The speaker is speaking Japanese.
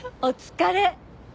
お疲れ。